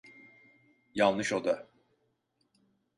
Yanlış oda.